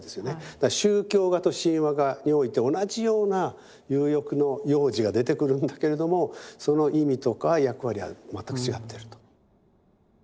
だから宗教画と神話画において同じような有翼の幼児が出てくるんだけれどもその意味とか役割は全く違ってると。